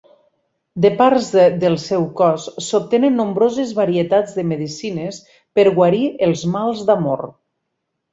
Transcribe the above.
De parts del seu cos, s'obtenen nombroses varietats de medecines per guarir els mals d'amor.